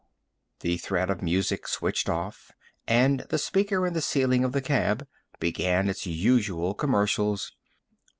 The thread of music switched off and the speaker in the ceiling of the cab began its usual commercials.